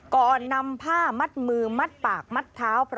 ก่อนนำผ้ามัดมือมัดปากมัดเท้า